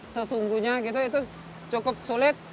sesungguhnya itu cukup sulit